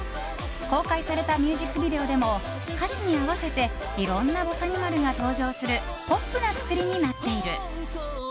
公開されたミュージックビデオでも歌詞に合わせていろんなぼさにまるが登場するポップな作りになっている。